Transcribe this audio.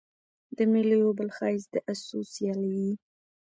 د مېلو یو بل ښایست د آسو سیالي يي.